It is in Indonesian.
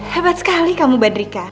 hebat sekali kamu badrika